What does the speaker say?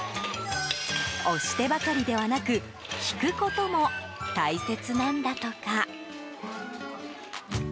押してばかりではなく引くことも大切なんだとか。